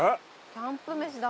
キャンプ飯だ